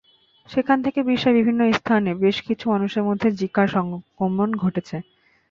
সেখান থেকে বিশ্বের বিভিন্ন স্থানে বেশ কিছু মানুষের মধ্যে জিকার সংক্রমণ ঘটেছে।